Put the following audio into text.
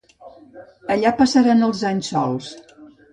Allà passaran els anys sols.